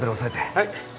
はい。